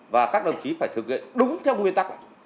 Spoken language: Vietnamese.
và các đồng chí phải thực hiện đúng theo nguyên tắc